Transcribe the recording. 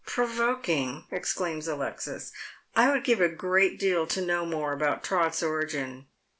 " Provoking !" exclaims Alexis. " I would give a great deal to know more about Trot's origin.